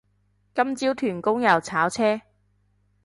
今朝屯公又炒車